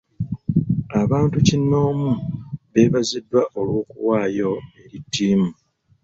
Abantu kinoonmu beebaziddwa olw'okuwaayo eri ttiimu.